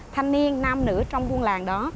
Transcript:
thanh niên nam nữ trong buôn làng đó